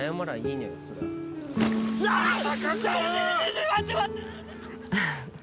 ちょ待って待って！